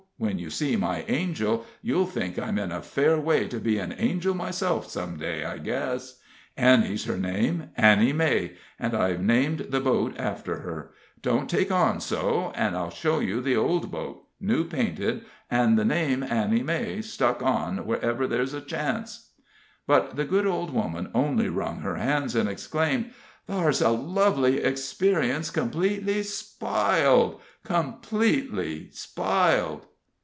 When you see my angel, you'll think I'm in a fair way to be an angel myself some day, I guess. Annie's her name Annie May an' I've named the boat after her. Don't take on so, an' I'll show you the old boat, new painted, an' the name Annie May stuck on wherever there's a chance." But the good old woman only wrung her hands, and exclaimed: "Thar's a lovely experience completely spiled completely spiled!"